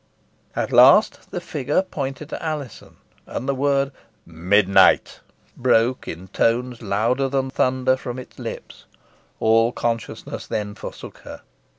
At last the figure pointed to Alizon, and the word "midnight" broke in tones louder than the thunder from its lips. All consciousness then forsook her.